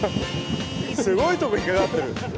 すごいとこ引っ掛かってる。